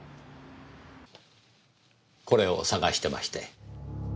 これを捜してまして。